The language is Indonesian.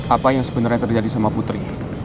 apa yang sebenarnya terjadi sama putri